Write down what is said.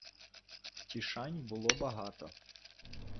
Втішань було багато.